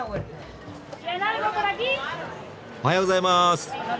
おはようございます！